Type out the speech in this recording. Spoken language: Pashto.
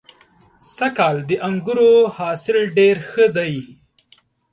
سږ کال د انګورو حاصل ډېر ښه دی.